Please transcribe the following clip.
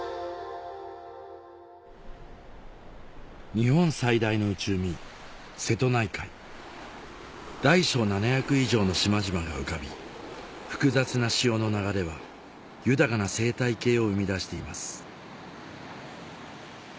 日本最大の内海大小７００以上の島々が浮かび複雑な潮の流れは豊かな生態系を生み出しています